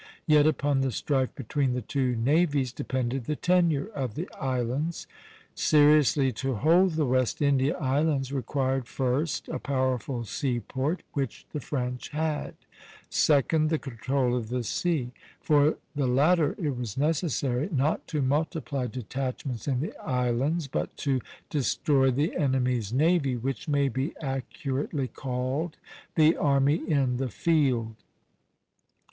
Yet upon the strife between the two navies depended the tenure of the islands. Seriously to hold the West India Islands required, first, a powerful seaport, which the French had; second, the control of the sea. For the latter it was necessary, not to multiply detachments in the islands, but to destroy the enemy's navy, which may be accurately called the army in the field.